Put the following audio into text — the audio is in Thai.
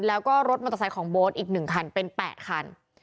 แล้วก็รถมอเตอร์ไซค์ของโบ๊ทอีก๑คันเป็น๘คัน